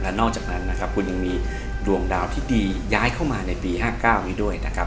นอกจากนั้นนะครับคุณยังมีดวงดาวที่ดีย้ายเข้ามาในปี๕๙นี้ด้วยนะครับ